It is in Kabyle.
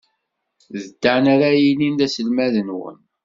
D Dan ara yilin d aselmad-nwen.